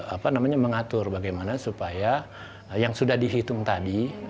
apa namanya mengatur bagaimana supaya yang sudah dihitung tadi